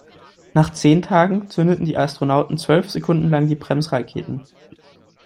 Nach zehn Tagen zündeten die Astronauten zwölf Sekunden lang die Bremsraketen.